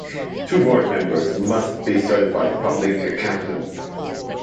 Two Board members must be Certified Public Accountants.